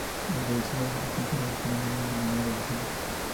De la dirección de la obra se encarga Jerónimo con Manuel de los Ríos.